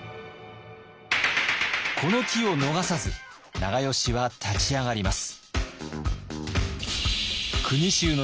この機を逃さず長慶は立ち上がります。